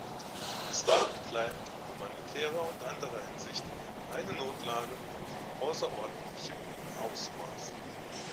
Es war und bleibt in humanitärer und anderer Hinsicht eine Notlage von außerordentlichem Ausmaß.